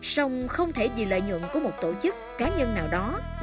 song không thể vì lợi nhuận của một tổ chức cá nhân nào đó